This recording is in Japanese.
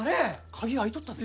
鍵開いとったで。